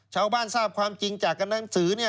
ชาวบ้านทราบความจริงจากหนังสือ